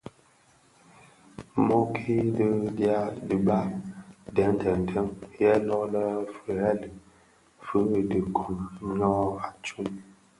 Mōōki dhi a diba deň deň deň yè lō lè fighèlèn fi dhi koň ňyô a tsom.